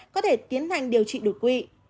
có thể tiến hành điều trị đột quỵ